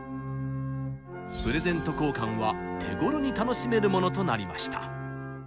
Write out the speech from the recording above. プレゼント交換は手ごろに楽しめるものとなりました。